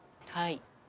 はい。